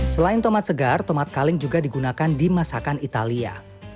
selain tomat segar tomat kaleng juga digunakan di masakan italia